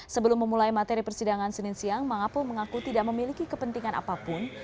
sebelum memulai materi persidangan senin siang mangapul mengaku tidak memiliki kepentingan apapun